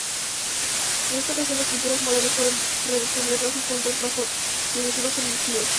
En esta ocasión, las pinturas murales fueron redescubiertas ocultas bajo sucesivos enlucidos.